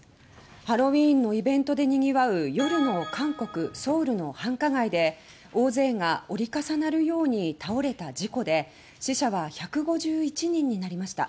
ハロウィーンのイベントで賑わう夜の韓国・ソウルの繁華街で大勢のが折り重なるように倒れた事故で死者は１５１人になりました。